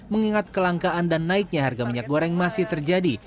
mengingat kelangkaan dan naiknya harga minyak goreng masih terjadi